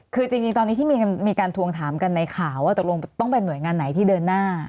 คือจริงตอนนี้ที่มีการทวงถามกันในข่าวว่าตกลงต้องเป็นหน่วยงานไหนที่เดินหน้า